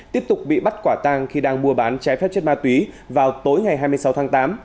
tiếp tục bị bắt quả tang khi đang mua bán trái phép chất ma túy vào tối ngày hai mươi sáu tháng tám